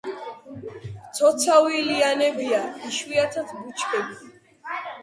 მცოცავი ლიანებია, იშვიათად ბუჩქები.